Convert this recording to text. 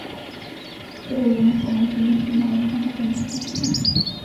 Pero algunos, como Izumi Shimada, no comparten esta posición.